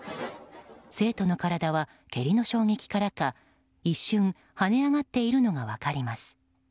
生徒の体は蹴りの衝撃からか一瞬はね上がっているのが分かります。